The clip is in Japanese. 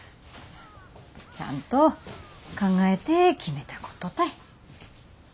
ちゃんと考えて決めたことたい。